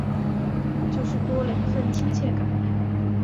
就是多了一分亲切感